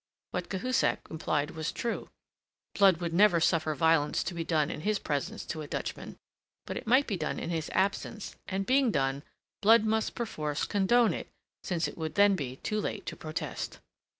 What Cahusac implied was true: Blood would never suffer violence to be done in his presence to a Dutchman; but it might be done in his absence; and, being done, Blood must perforce condone it, since it would then be too late to protest.